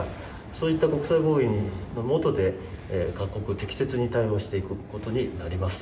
そういった国際合意のもとで各国適切に対応していくことになります。